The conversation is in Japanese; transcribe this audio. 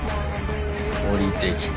降りてきて。